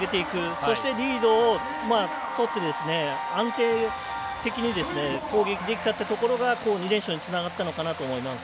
そして、リードをとって安定的に攻撃できたところが２連勝につながったのかなと思います。